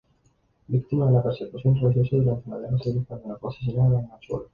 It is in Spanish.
Víctima de la persecución religiosa durante la Guerra Civil Española, fue asesinada en Hornachuelos.